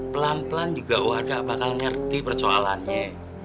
pelan pelan juga warga bakal ngerti percualannya